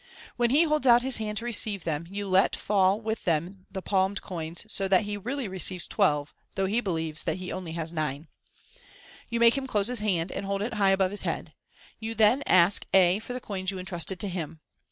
When he holds out his hand to receive them, you let fall with them the palmed coins, so that he really receives twelve, though he believes that he has only nine. You make him close his hand, and hold it high above his head. You then ask A for the coins you entrusted to him.